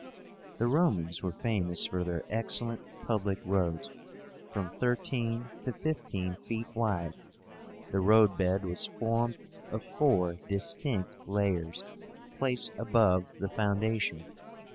The Romans were famous for their excellent public roads, from thirteen to fifteen feet wide. The roadbed was formed of four distinct layers, placed above the foundation.